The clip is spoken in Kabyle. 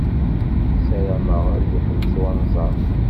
Ssarameɣ ad yeḥbes unẓar.